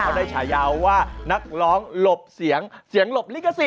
เขาได้ฉายาวว่านักร้องหลบเสียงเสียงหลบลิขสิท